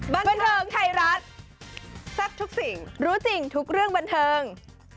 บันเทิงไทยรัฐแซ่บทุกสิ่งรู้จริงทุกเรื่องบันเทิง